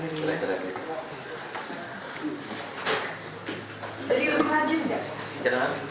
terus lebih rajin tidak